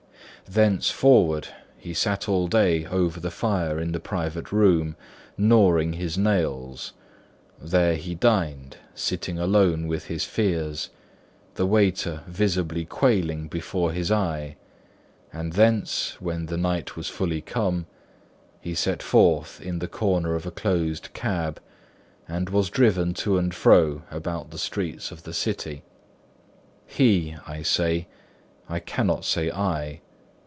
Thenceforward, he sat all day over the fire in the private room, gnawing his nails; there he dined, sitting alone with his fears, the waiter visibly quailing before his eye; and thence, when the night was fully come, he set forth in the corner of a closed cab, and was driven to and fro about the streets of the city. He, I say—I cannot say, I.